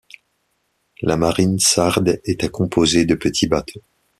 La marine sarde était composé de petits bateaux.